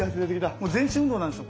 もう全身運動なんですよ。